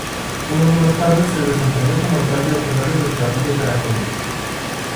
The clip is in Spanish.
Un año más tarde se desempeñó como Alcalde ordinario del Cabildo caraqueño.